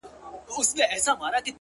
وروسته له ده د چا نوبت وو رڼا څه ډول وه؛